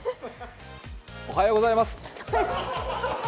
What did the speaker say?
おはようございます！